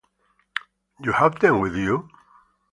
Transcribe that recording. You have them with you?